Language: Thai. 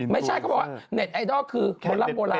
ไม่ใช่คำว่าเน็ตไอดอลคือบรรลับโบราณ